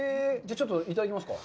ちょっといただきますか。